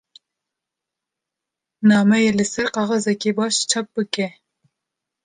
Nameyê li ser kaxezeke baş çap bike.